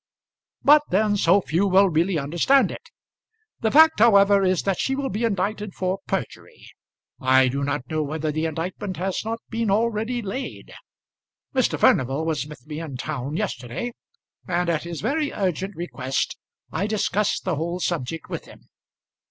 "But then so few will really understand it. The fact however is that she will be indicted for perjury. I do not know whether the indictment has not been already laid. Mr. Furnival was with me in town yesterday, and at his very urgent request, I discussed the whole subject with him.